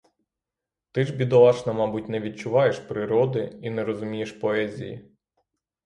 Ти ж, бідолашна, мабуть, не відчуваєш природи і не розумієш поезії.